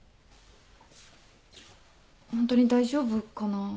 ホントに大丈夫かな。